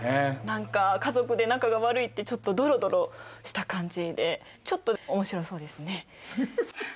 何か家族で仲が悪いってちょっとドロドロした感じでちょっと面白そうですね。